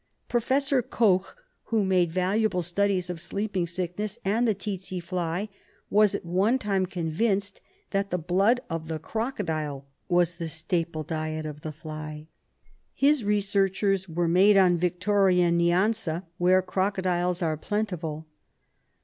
Professor Koch, who made valuable studies of sleeping sickness and the tsetse By, was at one time convinced that the blood of the crocodile was the staple diet of the fly. His researches were made on Victoria Nyanza, where crocodiles are plentiful.